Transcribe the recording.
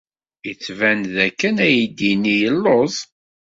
Yettban-d dakken aydi-nni yelluẓ.